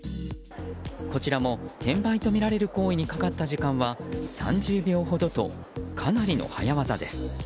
こちらも転売とみられる行為にかかった時間は３０秒ほどと、かなりの早業です。